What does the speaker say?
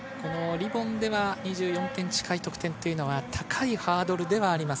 リボンでは２４点近い得点は高いハードルではあります。